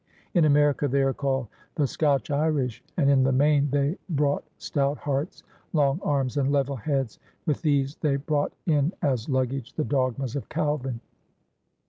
In America they are called the Scotch Irish, and in the main they brought stout hearts, long arms, and level heads. With these they 280 PIONEERS OP THE OLD SOUTH brought in as luggage the dogmas of Calvin.